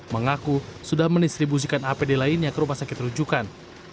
mengaku sudah mendistribusikan apd lainnya ke rumah sakit rujukan